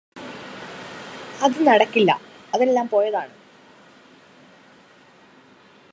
അത് നടക്കില്ല അതെല്ലാം പോയതാണ്